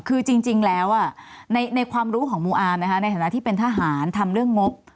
คือจริงแล้วในความรู้ของมูอาร์มนะคะในฐานะที่เป็นทหารทำเรื่องงบ